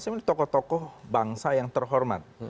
sebenarnya tokoh tokoh bangsa yang terhormat